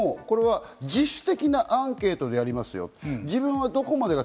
自主的なアンケートでやりますよと。